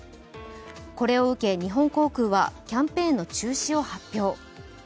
これを受け日本航空はキャンペーンの中止を発表。